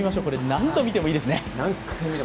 何度見てもいいですね。